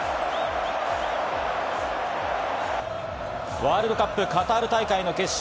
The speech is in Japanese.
ワールドカップカタール大会の決勝。